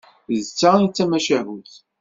D ta i d-tamacahut.